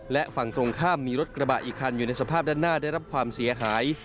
และฝั่งตรงข้ามมีรถกระบะอีกคันอยู่ในสภาพด้านหน้าได้รับความเสียหาย